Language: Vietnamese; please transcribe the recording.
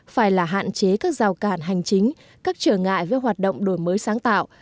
phải là hạn chế các rào cản hành chính các trở ngại với hoạt động đổi mới sáng tạo